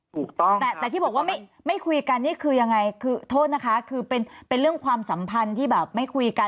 ถูกต้องแต่ที่บอกว่าไม่คุยกันนี่คือยังไงคือโทษนะคะคือเป็นเรื่องความสัมพันธ์ที่แบบไม่คุยกัน